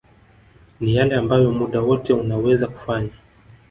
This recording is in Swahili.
ni yale ambayo muda wote unaweza kufanya